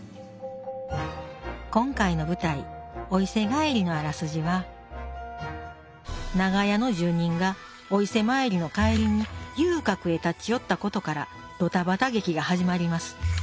今回の舞台「お伊勢帰り」のあらすじは長屋の住人がお伊勢参りの帰りに遊郭へ立ち寄ったことからドタバタ劇が始まります。